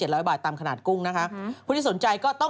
สวัสดีค่าข้าวใส่ไข่